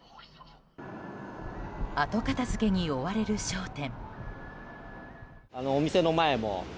後片付けに追われる商店。